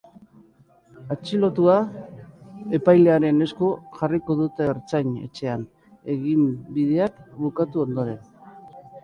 Atxilotua epailearen esku jarriko dute ertzain-etxean eginbideak bukatu ondoren.